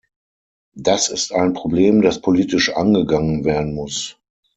Das ist ein Problem, das politisch angegangen werden muss.